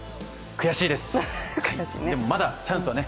悔しいです、でもまだチャンスはね